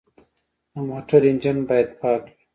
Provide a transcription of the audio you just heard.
د موټر انجن باید پاک وي.